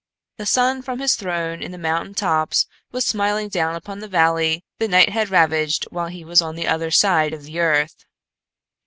The sun from his throne in the mountain tops was smiling down upon the valley the night had ravaged while he was on the other side of the earth.